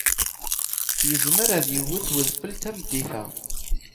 Yezmer ad d-iwet wedfel tameddit-a.